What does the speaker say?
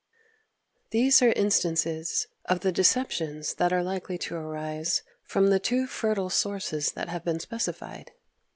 6. These are instances of the deceptions that are likely to arise from the two fertile sources that have been specified.